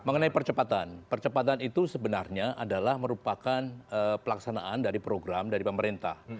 mengenai percepatan percepatan itu sebenarnya adalah merupakan pelaksanaan dari program dari pemerintah